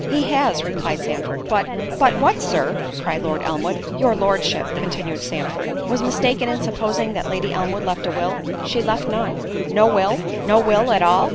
"He has;" replied Sandford,—"But"—— "But what, Sir?" cried Lord Elmwood. "Your Lordship," continued Sandford, "was mistaken in supposing that Lady Elmwood left a will, she left none." "No will? no will at all?"